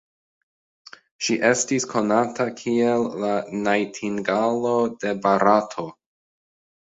Ŝi estis konata kiel "la najtingalo de Barato".